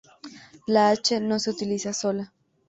La "h" no se utiliza sola.